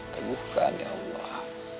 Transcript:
teguhkan ya allah